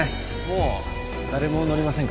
もう誰も乗りませんから